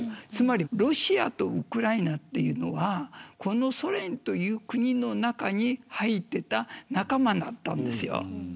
つまり、ロシアとウクライナはこのソ連という国の中に入っていた仲間だったんです。